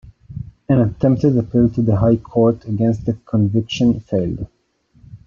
An attempted appeal to the High Court against the conviction failed.